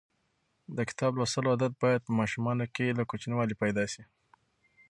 د کتاب لوستلو عادت باید په ماشومانو کې له کوچنیوالي پیدا شي.